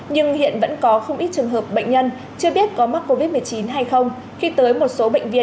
nhưng hiện vẫn có không ít trường hợp bệnh nhân chưa biết có mắc covid một mươi chín hay không khi tới một số bệnh viện